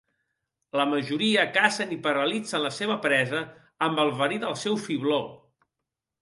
La majoria cacen i paralitzen la seva presa amb el verí del seu fibló.